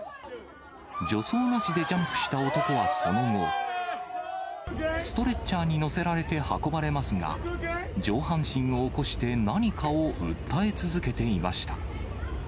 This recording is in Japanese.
助走なしでジャンプした男は、その後、ストレッチャーに乗せられて運ばれますが、上半身を起こして、何かを訴え続けていました。